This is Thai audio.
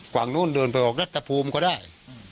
ฝั่งนู้นเดินไปออกรัฐภูมิก็ได้